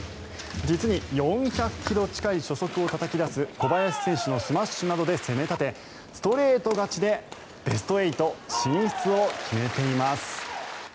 実に４００ｋｍ近い初速をたたき出す小林選手のスマッシュなどで攻め立てストレート勝ちでベスト８進出を決めています。